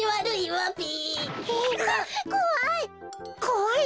こわい？